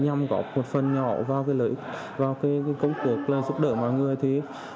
nhằm góp một phần nhỏ vào cái lợi ích vào cái công cực giúp đỡ mọi người thì